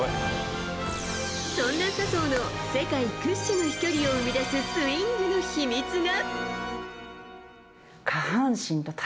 そんな笹生の世界屈指の飛距離を生み出すスイングの秘密が。